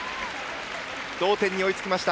同点に追いつきました。